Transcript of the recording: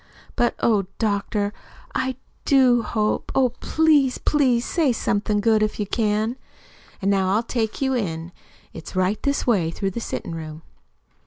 But, oh, doctor, I do hope oh, please, please say somethin' good if you can. An' now I'll take you in. It's right this way through the sittin' room."